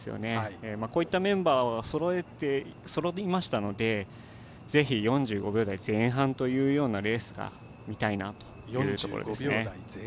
こうしたメンバーがそろったのでぜひ４５秒台前半というレースが見たいなというところですね。